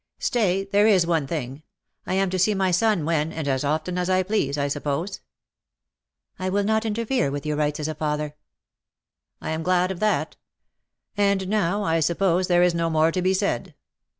Stay, there is one thing : I am to see my son when, and as often as I please, I suppose.^'' "^I will not interfere with your rights as a father.'^ *' I am glad of that. And now I suppose there is no more to be said.